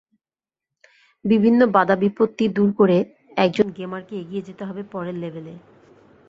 বিভিন্ন বাধাবিপত্তি দূর করে একজন গেমারকে এগিয়ে যেতে হবে পরের লেভেলে।